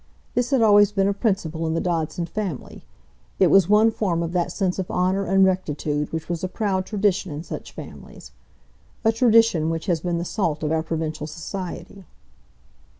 This had always been a principle in the Dodson family; it was one form of that sense of honour and rectitude which was a proud tradition in such families,—a tradition which has been the salt of our provincial society.